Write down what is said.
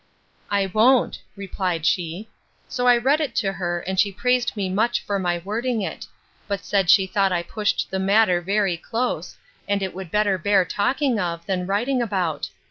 I won't, replied she. So I read it to her, and she praised me much for my wording it; but said she thought I pushed the matter very close; and it would better bear talking of, than writing about.